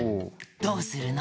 どうするの？